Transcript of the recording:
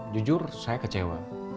jujur saya kecewa